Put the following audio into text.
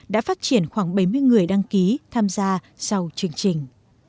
đã phát triển khoảng bảy mươi người đăng ký tham gia sau chương trình